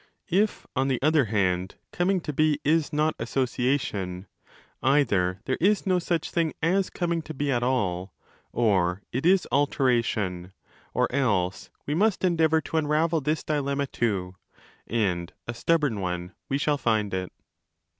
If, on the other hand, coming to be zs ot 'association ', either there is no such thing as coming to be _at all or it is 'alteration': or else! we must endeavour to unravel this dilemma too—and a stubborn one we shall find it.